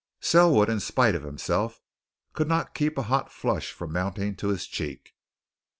Selwood, in spite of himself, could not keep a hot flush from mounting to his cheek.